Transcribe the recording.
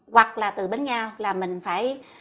hoặc là từ bánh nhau là mình phải